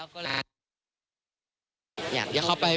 ชื่อไว้ครับแต่ละคน